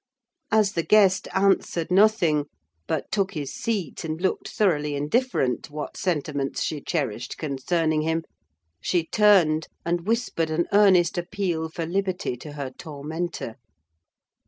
As the guest answered nothing, but took his seat, and looked thoroughly indifferent what sentiments she cherished concerning him, she turned and whispered an earnest appeal for liberty to her tormentor.